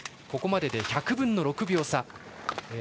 ここまでで１００分の６秒差。